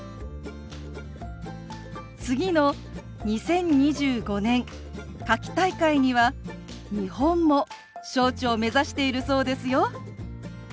次の２０２５年夏季大会には日本も招致を目指しているそうですよ。